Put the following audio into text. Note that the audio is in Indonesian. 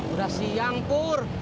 udah siang pur